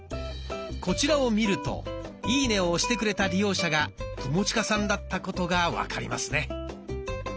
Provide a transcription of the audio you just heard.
こちらを見るといいねを押してくれた利用者が友近さんだったことが分かりますね。